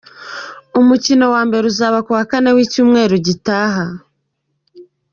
Umukino wa mbere uzaba ku wa Kane w’icyumweru gitaha.